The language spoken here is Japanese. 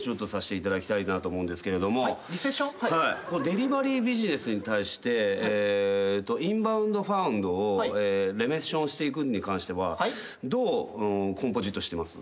デリバリービジネスに対してインバウンドファウンドをレメッションしていくに関してはどうコンポジットしてます？